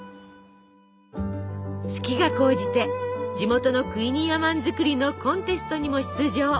好きが高じて地元のクイニーアマン作りのコンテストにも出場。